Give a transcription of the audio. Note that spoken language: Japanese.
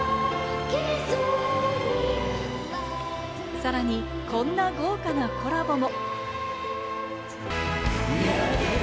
さらに、こんな豪華なコラボも！